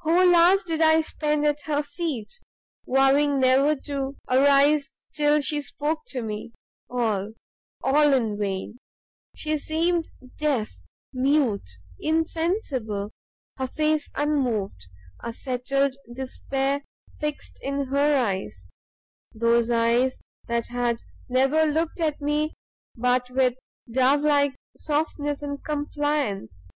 "Whole hours did I spend at her feet, vowing never to arise till she spoke to me, all, all, in vain! she seemed deaf, mute, insensible; her face unmoved, a settled despair fixed in her eyes, those eyes that had never looked at me but with dove like softness and compliance!